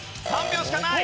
３秒しかない！